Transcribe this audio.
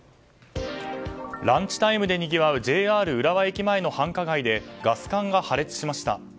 ランチタイムでにぎわうＪＲ浦和駅前の繁華街でガス管が破裂しました。